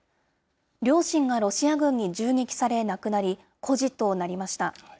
両親がロシア軍に銃撃され亡くなり、孤児となりました。